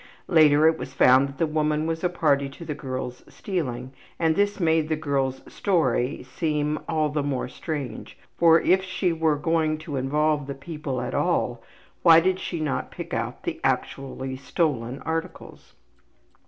Later it was found that the woman was a party to the girl's stealing and this made the girl's story seem all the more strange, for if she were going to involve the people at all why did she not pick out the actually stolen articles?